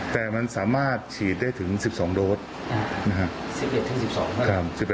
แต่มันสามารถฉีดได้ถึง๑๒โดส๑๑๑๒ครับ